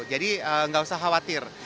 jadi tidak usah khawatir